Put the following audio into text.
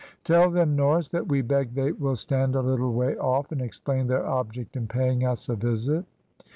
"Tell them, Norris, that we beg they will stand a little way off, and explain their object in paying us a visit."